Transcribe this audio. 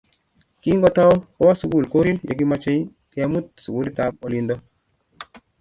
Kingotoi kowo sukul korir yekingomochei kemut sukulitap olindo